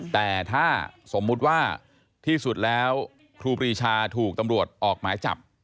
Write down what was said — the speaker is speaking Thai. แต่ถ้าสมมุติว่าที่สุดแล้วครูปรีชาถูกตำรวจออกหมายจับ